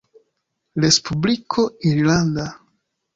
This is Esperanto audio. Respubliko Irlanda.